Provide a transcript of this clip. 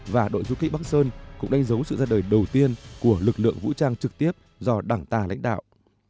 và đội du kích bắc sơn cũng đánh dấu sự ra đời đầu tiên của lực lượng vũ trang trực tiếp do đảng ta lãnh đạo